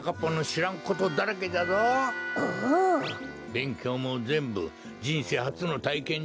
べんきょうもぜんぶじんせいはつのたいけんじゃ。